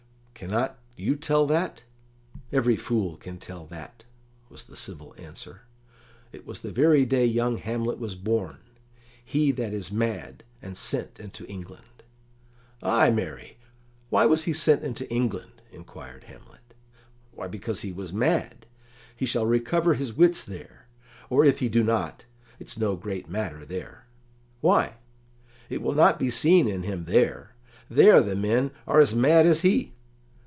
"Cannot you tell that? Every fool can tell that," was the civil answer. "It was the very day young Hamlet was born he that is mad, and sent into England." "Ay, marry, why was he sent into England?" inquired Hamlet. "Why, because he was mad; he shall recover his wits there; or if he do not, it's no great matter there." "Why?" "It will not be seen in him there, there the men are as mad as he."